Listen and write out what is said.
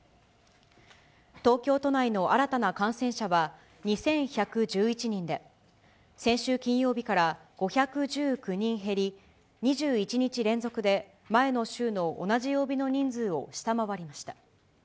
東京都内の新たな感染者は２１１１人で、先週金曜日から５１９人減り、２１日連続で、前の週の同じ曜日の人数を下回りました。